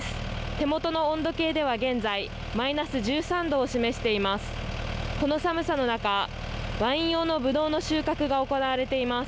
手元の温度計では、現在マイナス１３度を示しています。